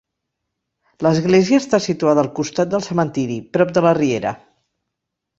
L'església està situada al costat del cementiri, prop de la riera.